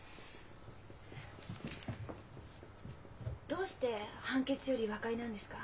どうして判決より和解なんですか？